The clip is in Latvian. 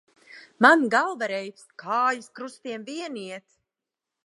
Man galva reibst, kājas krustiem vien iet.